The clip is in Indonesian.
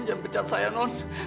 jangan pecat saya non